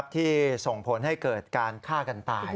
ที่ส่งผลให้เกิดการฆ่ากันตาย